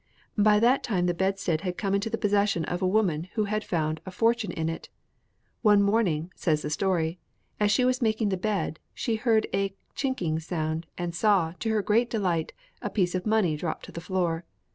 By that time the bedstead had come into the possession of a woman who found a fortune in it. One morning, says the story, as she was making the bed, she heard a chinking sound, and saw, to her great delight, a piece of money drop on the floor.